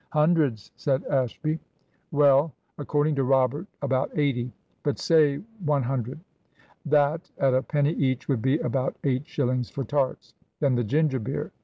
"Hundreds," said Ashby. "Well, according to Robert, about eighty. But say one hundred. That at a penny each would be about 8 shillings for tarts. Then the ginger beer.